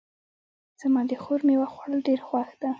زما د خور میوه خوړل ډېر خوښ ده